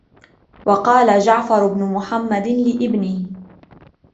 وَقَالَ جَعْفَرُ بْنُ مُحَمَّدٍ لِابْنِهِ